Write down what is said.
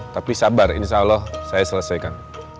tapi sabar insya allah saya selesaikan